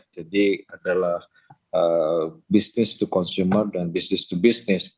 jadi adalah business to consumer dan business to business